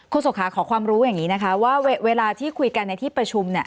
โศกขาขอความรู้อย่างนี้นะคะว่าเวลาที่คุยกันในที่ประชุมเนี่ย